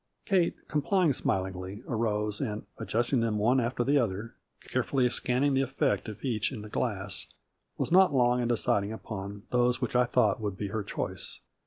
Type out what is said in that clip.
Kate, complying smilingly, arose, and, adjusting them one after the other, carefully scanning the effect of each in the glass, was not long in de ciding upon those which I thought would be her choice.